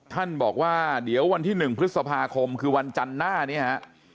ท่านบอกว่าเดี๋ยววันที่๑พฤษภาคมคือวันจันทร์หน้านี้ฮะ